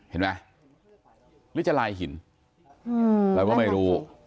เห็นไหมหรือจะลายหินเราก็ไม่รู้